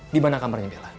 di mana kamarnya bella